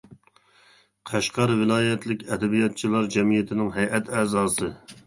قەشقەر ۋىلايەتلىك ئەدەبىياتچىلار جەمئىيىتىنىڭ ھەيئەت ئەزاسى.